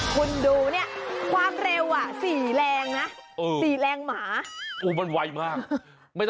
คุณดูเนี่ยความเร็วสี่แรงนะ